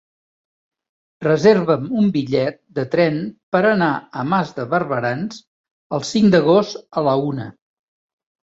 Reserva'm un bitllet de tren per anar a Mas de Barberans el cinc d'agost a la una.